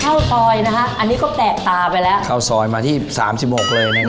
ข้าวซอยนะฮะอันนี้ก็แปลกตาไปแล้วข้าวซอยมาที่สามสิบหกเลยนะครับ